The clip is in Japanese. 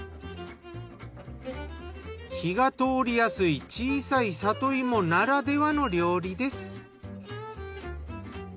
火が通りやすい小さい里芋ならではの料理です。